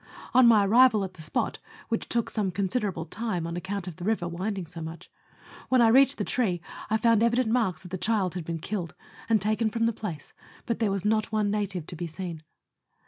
On my arrival at the spot (which took some considerable time, on account of the river winding so much), when I reached the tree I found evident marks that the child had been killed, and taken from the place, but there was not one native to be seen.